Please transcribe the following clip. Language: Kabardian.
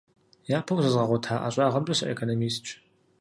Япэу зэзгъэгъуэта ӀэщӀагъэмкӀэ сыэкономистщ.